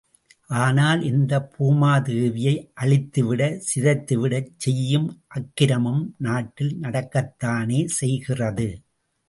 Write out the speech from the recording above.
ஆனால் இந்தப் பூமாதேவியை அழித்து விட, சிதைத்துவிடச் செய்யும் அக்கிரமமும் நாட்டில் நடக்கத்தானே செய்கிறது?